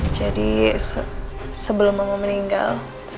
jadi sebelum mama meninggal